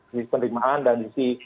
sisi penerimaan dan sisi